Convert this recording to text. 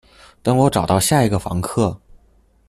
等我找到下一個房客